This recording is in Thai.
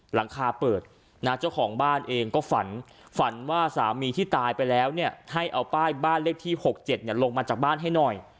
หลังคาเปิดนะเจ้าของบ้านเองก็ฝันฝันว่าสามีที่ตายไปแล้วเนี่ยให้เอาป้ายบ้านเลขที่๖๗ลงมาจากบ้านให้หน่อย